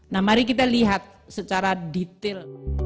nah mari kita lihat secara detail